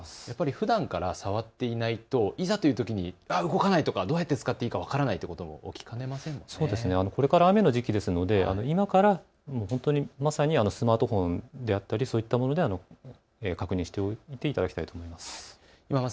ふだんから触っていないといざというときに動かないとかどうやって使っていいか分からないとか、これから雨の時期ですので今から、まさにスマートフォンであったりそういったもので確認していただきたいと思います。